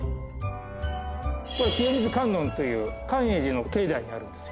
これ清水観音という寛永寺の境内にあるんですよ。